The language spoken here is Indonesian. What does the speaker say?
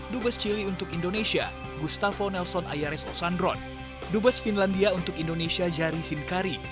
dubes cili untuk indonesia gustafel nelson ayares osandron dubes finlandia untuk indonesia jari sinkari